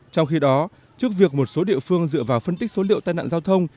trong khi đó trước việc một số địa phương dựa vào phân tích số liệu tai nạn giao thông